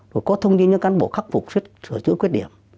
rồi có thông tin cho cán bộ khắc phục sửa chữa khuyết điểm